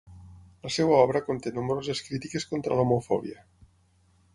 La seva obra conté nombroses crítiques contra l'homofòbia.